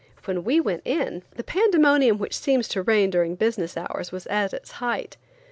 When we went in, the pandemonium which seems to reign during business hours was at its height.